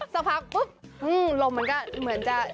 สักพักปุ๊บลมมันก็เหมือนจะ